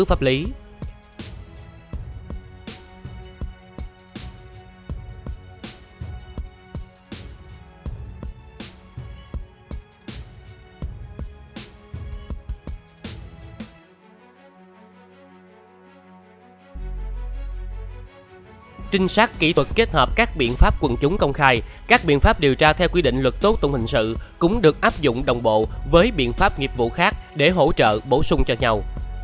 các trinh sát kỹ thuật kết hợp các biện pháp quân chúng công khai các biện pháp điều tra theo quy định luật tố tổng hình sự cũng được áp dụng đồng bộ với biện pháp nghiệp vụ khác để hỗ trợ bổ sung cho nhau